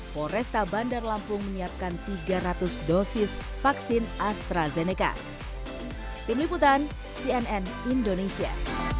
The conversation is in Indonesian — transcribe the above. polresta bandar lampung menyiapkan tiga ratus dosis vaksin astrazeneca